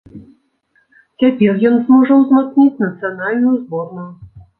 Цяпер ён зможа ўзмацніць нацыянальную зборную.